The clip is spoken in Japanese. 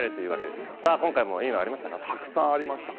さあ今回もいいのありましたか？